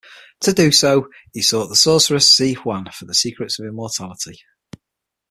To do so, he sought the sorceress Zi Yuan for the secrets of immortality.